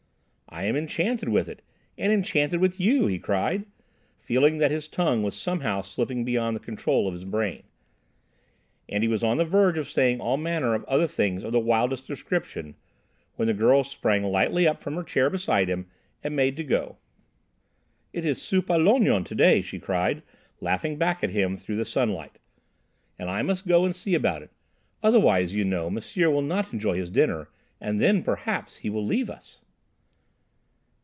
"I am enchanted with it, and enchanted with you," he cried, feeling that his tongue was somehow slipping beyond the control of his brain. And he was on the verge of saying all manner of other things of the wildest description, when the girl sprang lightly up from her chair beside him, and made to go. "It is soupe à l'onion to day!" she cried, laughing back at him through the sunlight, "and I must go and see about it. Otherwise, you know, M'sieur will not enjoy his dinner, and then, perhaps, he will leave us!"